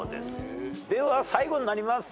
では最後になりますかね